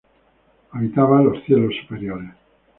Habitaba los cielos superiores.